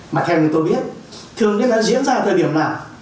mà theo tôi biết thường nó diễn ra thời điểm nào